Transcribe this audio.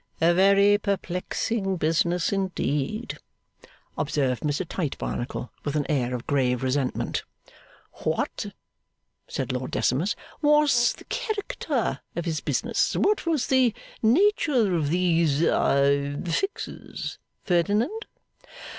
'A very perplexing business indeed,' observed Mr Tite Barnacle, with an air of grave resentment. 'What,' said Lord Decimus, 'was the character of his business; what was the nature of these a Fixes, Ferdinand?